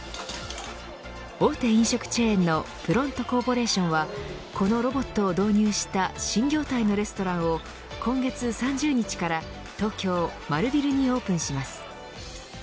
大手飲食チェーンのプロントコーポレーションはこのロボットを導入した新業態のレストランを今月３０日から東京、丸ビルにオープンします。